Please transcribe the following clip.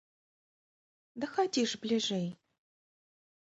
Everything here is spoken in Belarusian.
Да хадзі ж бліжэй!